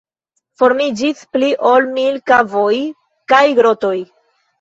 Formiĝis pli ol mil kavoj kaj grotoj.